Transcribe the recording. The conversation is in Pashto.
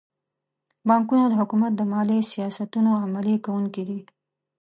بانکونه د حکومت د مالي سیاستونو عملي کوونکي دي.